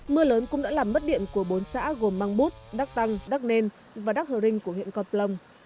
mưa lớn cũng đã làm mất điện của bốn xã gồm mang bút đắc tăng đắc nên và đắc hờ rinh của huyện con plong